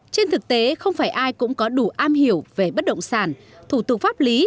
trên thực tế không phải ai cũng có đủ am hiểu về bất động sản thủ tục pháp lý